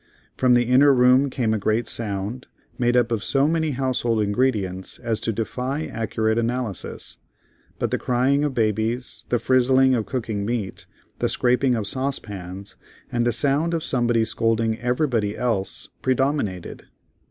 From the inner room came a great sound, made up of so many household ingredients as to defy accurate analysis—but the crying of babies, the frizzling of cooking meat, the scraping of saucepans, and a sound of somebody scolding everybody else, predominated.